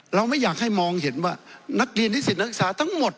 เราไม่อยากให้มองเห็นว่านักเรียนนิสิตนักศึกษาทั้งหมด